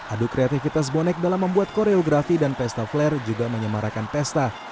adu kreativitas bonek dalam membuat koreografi dan pesta flare juga menyemarakan pesta